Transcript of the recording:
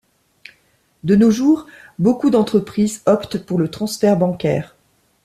De nos jours beaucoup d'entreprises optent pour le transfert bancaire.